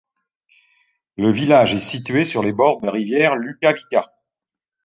Le village est situé sur les bords de la rivière Lukavica.